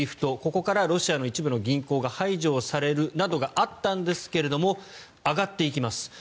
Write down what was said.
ここからロシアの一部の銀行が排除されるなどがあったんですが上がっていきます。